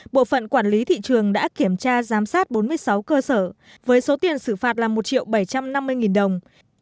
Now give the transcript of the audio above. bộ phận quản lý thị trường đã kiểm tra giám sát bốn mươi sáu cơ sở với số tiền xử phạt là một triệu bảy trăm năm mươi nghìn đồng